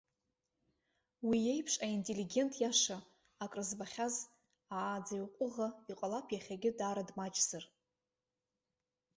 Уи иеиԥш аинтеллигент иаша, акрызбахьаз, ааӡаҩ ҟәыӷа, иҟалап, иахьагьы даара дмаҷзар.